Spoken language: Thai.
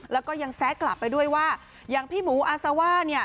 แล้วก็ยังแซะกลับไปด้วยว่าอย่างพี่หมูอาซาว่าเนี่ย